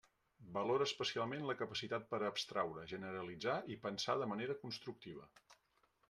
Valora especialment la capacitat per a abstraure, generalitzar i pensar de manera constructiva.